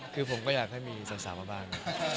คือผมก็อยากให้มีสาวมาบ้าง